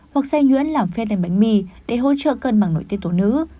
hoặc xay nhuyễn làm phê lên bánh mì để hỗ trợ cân bằng nổi tiết tố nữ